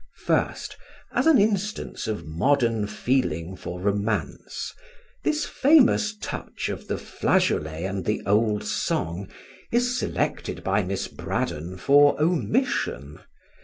First, as an instance of modern feeling for romance, this famous touch of the flageolet and the old song is selected by Miss Braddon for omission.